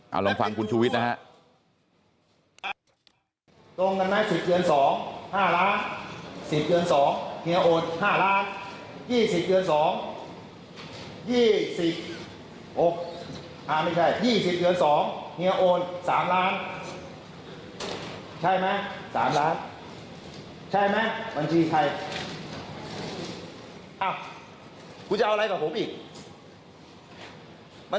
เอาลองฟังคุณชูวิทย์นะฮะ